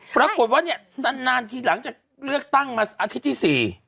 ปรากฏว่าเนี่ยนานทีหลังจากเลือกตั้งมาอาทิตย์ที่๔